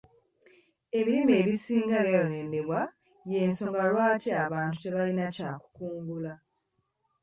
Ebirime ebisinga byayonoonebwa y'ensonga lwaki abantu tebalina kya kukungula.